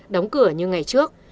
đóng cửa như ngày trước